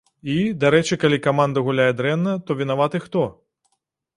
І, дарэчы, калі каманда гуляе дрэнна, то вінаваты хто?